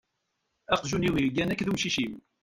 Aqjun-iw yeggan akked umcic-iw.